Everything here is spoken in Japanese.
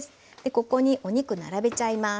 ここにお肉並べちゃいます。